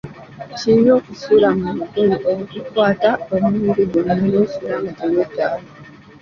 Kibi okusula mu bugoye obukukukwata omubiri gwonna nosula nga teweetaaya.